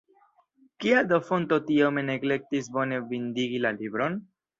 Kial do Fonto tiome neglektis bone bindigi la libron?